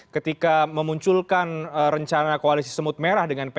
ketika memunculkan rencana koalisi semut merah dengan pks